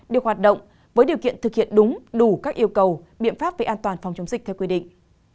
được hoạt động với điều kiện thực hiện đúng đủ các yêu cầu biện pháp về an toàn phòng chống dịch theo quy định